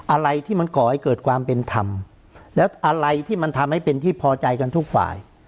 อะไรที่มันก่อให้เกิดความเป็นธรรมแล้วอะไรที่มันทำให้เป็นที่พอใจกันทุกฝ่าย